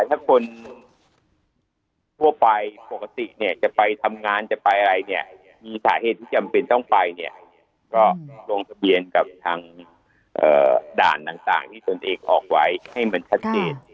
ถ้าคนทั่วไปปกติเนี่ยจะไปทำงานจะไปอะไรเนี่ยมีสาเหตุที่จำเป็นต้องไปเนี่ยก็ลงทะเบียนกับทางด่านต่างที่ตนเองออกไว้ให้มันชัดเจน